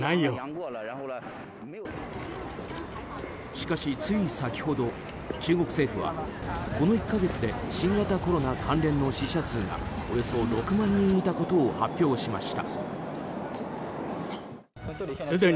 しかし、つい先ほど中国政府はこの１か月で新型コロナ関連の死者数がおよそ６万人いたことを発表しました。